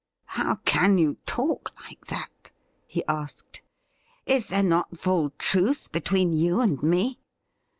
' How can you talk like that .?' he asked. ' Is there not full truth between you and me